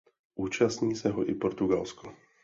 Účastní se ho i Portugalsko.